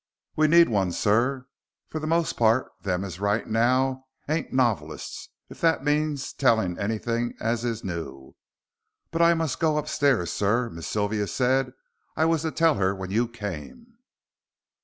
"We need one, sir. For the most part them as write now ain't novelists, if that means telling anything as is new. But I must go upstairs, sir. Miss Sylvia said I was to tell her when you came."